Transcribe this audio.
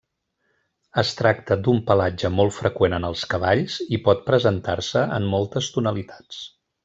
Es tracta d'un pelatge molt freqüent en els cavalls i pot presentar-se en moltes tonalitats.